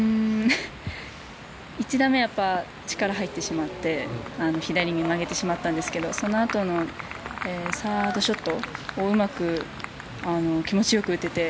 １打目は力が入ってしまって左に曲げてしまったんですがその後のサードショットをうまく、気持ちよく打てて